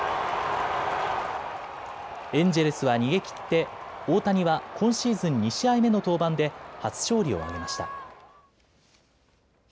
エンジェルスは逃げきって大谷は今シーズン２試合目の登板で初勝利を挙げました。